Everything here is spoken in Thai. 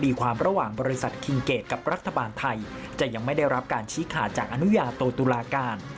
ความระหว่างบริษัทคิงเกตกับรัฐบาลไทยจะยังไม่ได้รับการชี้ขาดจากอนุญาโตตุลาการ